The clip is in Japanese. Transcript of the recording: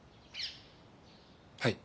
はい？